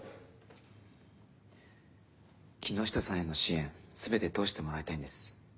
木下さんへの支援全て通してもらいたいんです。